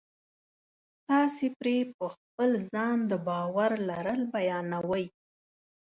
تاسې پرې په خپل ځان د باور لرل بیانوئ